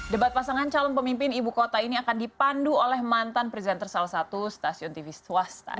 debat pasangan calon pemimpin ibu kota ini akan dipandu oleh mantan presenter salah satu stasiun tv swasta